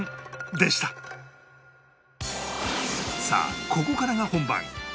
さあここからが本番